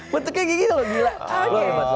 bentuknya gini loh gila